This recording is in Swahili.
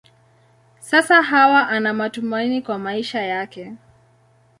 Sasa Hawa ana matumaini kwa maisha yake.